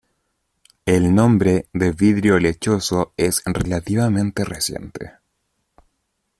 El nombre de vidrio lechoso es relativamente reciente.